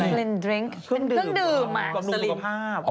สลินสุขภาพ